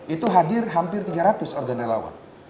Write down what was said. itu hadir hampir tiga ratus organ relawan